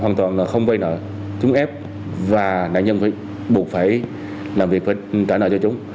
hoàn toàn là không vay nợ chúng ép và nạn nhân phải buộc phải làm việc phải trả nợ cho chúng